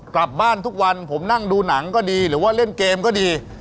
ทุกวันผมนั่งดูหนังก็ดีหรือว่าเล่นเกมก็ดี